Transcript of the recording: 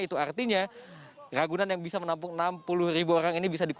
itu artinya ragunan yang bisa menampung enam puluh ribu orang ini bisa dikurang